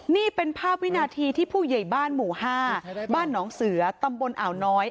นี่เป็นภาพวินาทีที่ผู้ใหญ่บ้านหมู่๕บ้านหนองเสือตำบลอ่าวน้อย